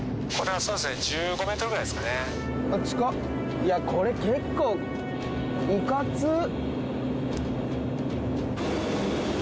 いやこれ結構いかつっ。